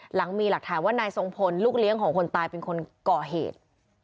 หลังมีหลักฐานว่านายทรงพลลูกเลี้ยงของคนตายเป็นคนก่อเหตุ